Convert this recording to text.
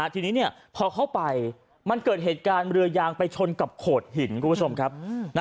ทีนี้พอเข้าไปมันเกิดเหตุการณ์เรือยางไปชนกับโขดหิน